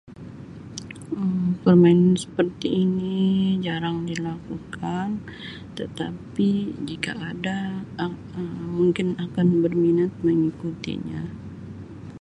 Um Permainan seperti ini jarang dilakukan tetapi jika ada [unintelligible] Um mungkin akan berminat mengikutinya.